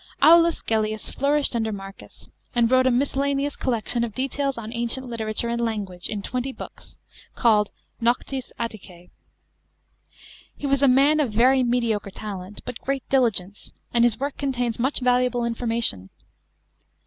§ 6. AULUS GELLIUS flourished under Marcus, and wrote a mis «ellam»ous collection of details on ancient literature and language, in twenty books, called Noctes Atticse. He was a man of very mediocre talent, but great diligence, and his work contains much valuable information.